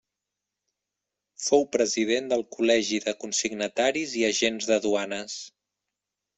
Fou president del Col·legi de consignataris i agents de duanes.